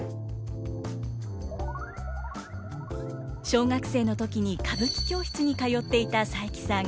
小学生の時に歌舞伎教室に通っていた佐伯さん。